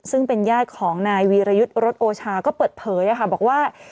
ซึ่งเป็นญาติของนายวีรยุทธ์รถโอชาก็เปิดเผยบอกว่า